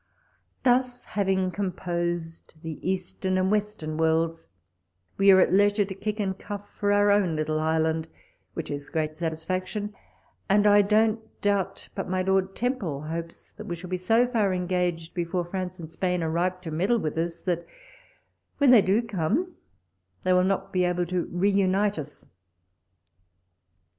Thus having composed the Eastern and Western worlds, we are at leisure to kick and cuff for our own little island, which is great satisfaction ; and I don't doubt but my Lord Temple hopes that we shall be so far engaged before France and Spain are ripe to meddle with us, that when they do come, they will not be able to re unite us.